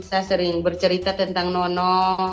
saya sering bercerita tentang nono